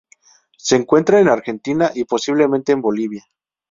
Se encuentra en Argentina y, posiblemente en Bolivia.